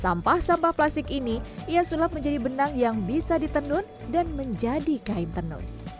sampah sampah plastik ini ia sulap menjadi benang yang bisa ditenun dan menjadi kain tenun